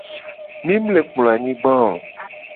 Mi mu le kplo anyigba oo.